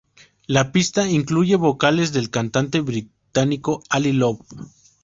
La pista incluye vocales del cantante británico Ali Love.